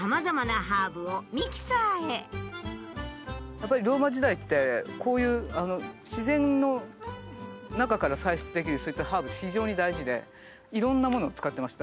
やっぱりローマ時代ってこういう自然の中から採取できるそういったハーブ非常に大事でいろんなものを使ってました。